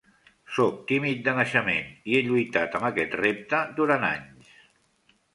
Sóc tímid de naixement, i he lluitat amb aquest repte durant anys.